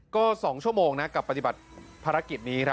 ก็๒ชั่วโมงนะกับปฏิบัติภารกิจนี้